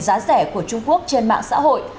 giá rẻ của trung quốc trên mạng xã hội